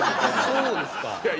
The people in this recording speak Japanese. そうですか。